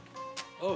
おう。